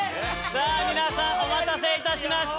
皆さんお待たせいたしました。